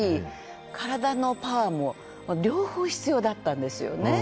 カラダのパワーも両方必要だったんですよね。